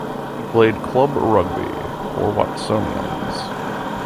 He played club rugby for Watsonians.